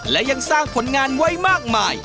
และยังสร้างผลงานไว้มากมาย